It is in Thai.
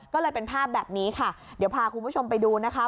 ก็เลยเป็นภาพแบบนี้ค่ะเดี๋ยวพาคุณผู้ชมไปดูนะคะ